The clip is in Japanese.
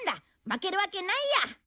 負けるわけないよ。